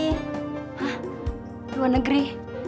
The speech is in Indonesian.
hah luar negeri